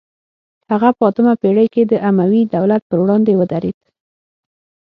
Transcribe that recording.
هغه په اتمه پیړۍ کې د اموي دولت پر وړاندې ودرید